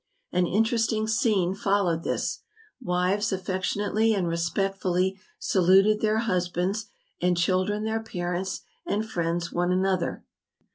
An interesting scene followed this; wives affec¬ tionately and respectfully saluted their husbands, and children their parents, and friends one another.